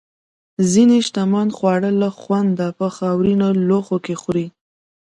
ځینې شتمن خواړه له خونده په خاورین لوښو کې خوري.